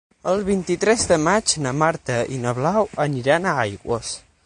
El vint-i-tres de maig na Marta i na Blau aniran a Aigües.